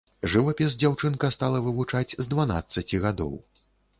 Жывапіс дзяўчынка стала вывучаць з дванаццаці гадоў.